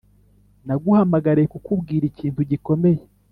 naguhamagariye kukubwira ikintu gikomeye